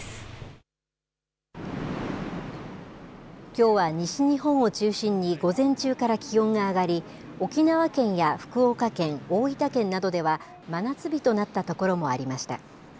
きょうは西日本を中心に午前中から気温が上がり、沖縄県や福岡県、大分県などでは、真夏日となった所もありました。